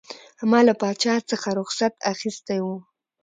ما له پاچا څخه رخصت اخیستی وو.